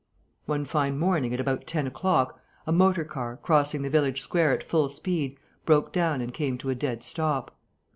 One fine morning, at about ten o'clock, a motor car, crossing the village square at full speed, broke down and came to a dead stop.